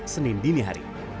senin dini hari